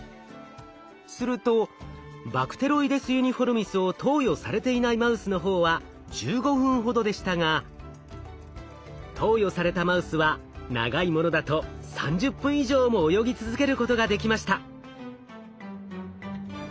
するとバクテロイデス・ユニフォルミスを投与されていないマウスの方は１５分ほどでしたが投与されたマウスは長いものだと３０分以上も泳ぎ続けることができました。